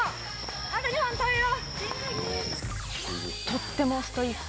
とてもストイック。